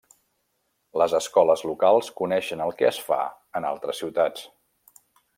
Les escoles locals coneixen el que es fa en altres ciutats.